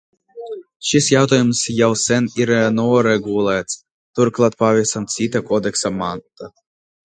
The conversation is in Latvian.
Šis jautājums jau sen ir noregulēts, turklāt pavisam citā kodeksa pantā.